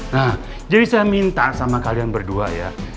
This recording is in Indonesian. nah jadi saya minta sama kalian berdua ya